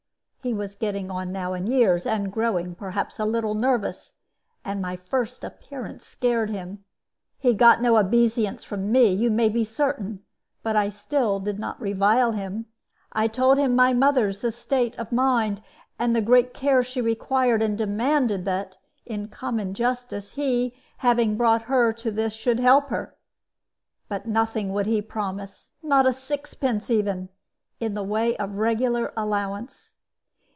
He was getting on now in years, and growing, perhaps, a little nervous, and my first appearance scared him. He got no obeisance from me, you may be certain, but still I did not revile him. I told him of my mother's state of mind, and the great care she required, and demanded that, in common justice, he, having brought her to this, should help her. But nothing would he promise, not a sixpence even, in the way of regular allowance.